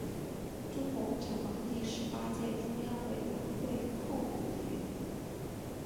中国共产党第十八届中央委员会候补委员。